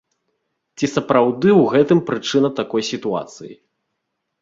Ці сапраўды ў гэтым прычына такой сітуацыі?